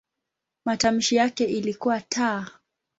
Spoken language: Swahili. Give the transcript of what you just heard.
Matamshi yake ilikuwa "t".